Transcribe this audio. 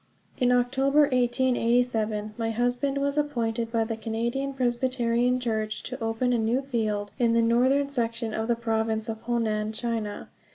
In October, 1887, my husband was appointed by the Canadian Presbyterian Church to open a new field, in the northern section of the Province of Honan, China.